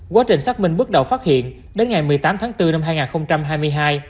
quá trình xác minh bước đầu phát hiện đến ngày một mươi tám tháng bốn năm hai nghìn hai mươi hai